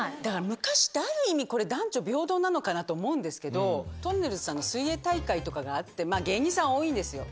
昔って、ある意味、男女平等なのかなって思うんですけど、とんねるずさんの水泳大会とかがあって、芸人さんが多いんですよ。